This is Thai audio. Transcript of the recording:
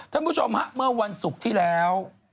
ท่านผู้ชมฮะเมื่อวันศุกร์ที่แล้ว